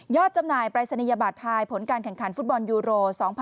จำหน่ายปรายศนียบัตรทายผลการแข่งขันฟุตบอลยูโร๒๐๑๖